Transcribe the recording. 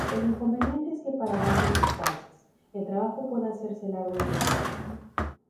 El inconveniente es que para grandes distancias, el trabajo puede hacerse largo y tedioso.